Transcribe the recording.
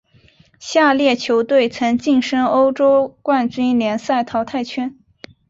下列球队曾晋身欧洲冠军联赛淘汰圈。